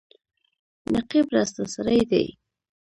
نقيب راسته سړی دی.